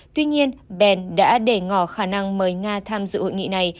tuy nhiên ben đã để ngỏ khả năng mời nga tham dự hội nghị này